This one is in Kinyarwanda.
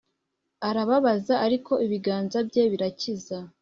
arababaza, ariko ibiganza bye birakiza